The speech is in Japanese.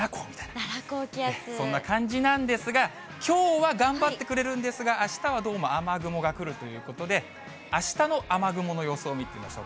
そんな感じなんですが、きょうは頑張ってくれるんですが、あしたはどうも雨雲が来るということで、あしたの雨雲の予想を見てみましょう。